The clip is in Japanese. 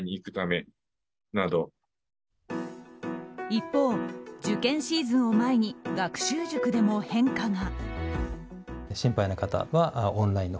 一方、受験シーズンを前に学習塾でも変化が。